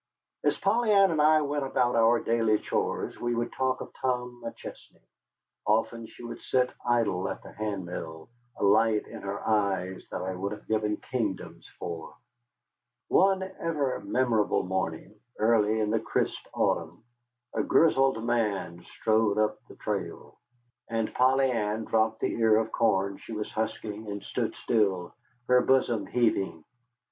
As Polly Ann and I went about our daily chores, we would talk of Tom McChesney. Often she would sit idle at the hand mill, a light in her eyes that I would have given kingdoms for. One ever memorable morning, early in the crisp autumn, a grizzled man strode up the trail, and Polly Ann dropped the ear of corn she was husking and stood still, her bosom heaving.